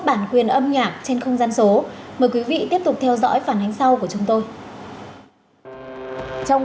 bản quyền âm nhạc trên không gian số mời quý vị tiếp tục theo dõi phản ánh sau của chúng tôi trong